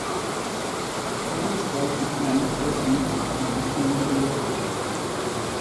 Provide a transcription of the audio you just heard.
Thomas wrote and sang "Floating" and "Eternity Road".